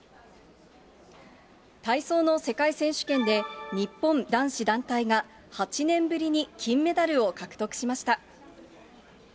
体操の世界選手権で、日本男子団体が、８年ぶりに金メダルを獲得しました。